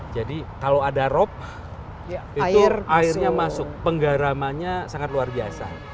jadi kalau ada rob airnya masuk penggaramannya sangat luar biasa